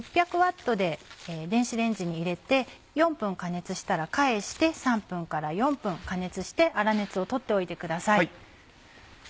６００Ｗで電子レンジに入れて４分加熱したら返して３分から４分加熱して粗熱を取っておいてください。